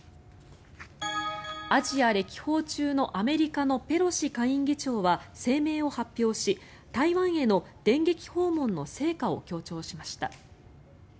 アジア歴訪中のアメリカのペロシ下院議長は声明を発表し台湾への電撃訪問の成果を強調しました。